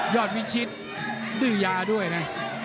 วิชิตดื้อยาด้วยนะ